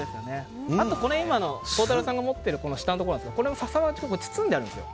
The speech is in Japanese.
あと今孝太郎さんが持っている下のところなんですがこの笹は包んであるんですよ。